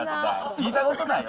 聞いたことないよ。